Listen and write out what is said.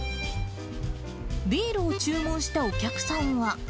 ビールを注文したお客さんは。